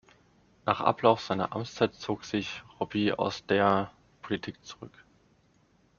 Nach Ablauf seiner Amtszeit zog sich Robie aus der Politik zurück.